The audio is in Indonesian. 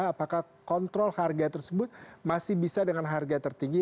apakah kontrol harga tersebut masih bisa dengan harga tertinggi